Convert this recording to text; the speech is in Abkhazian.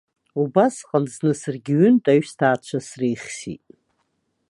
Убасҟан зны саргьы ҩынтә аҩсҭаацәа среихсит.